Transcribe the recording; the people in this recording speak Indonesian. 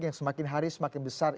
yang semakin hari semakin besar